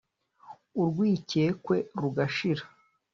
urwikekwe rugashira